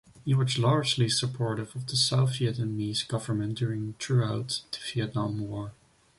He was largely supportive of the South Vietnamese government during throughout the Vietnam War.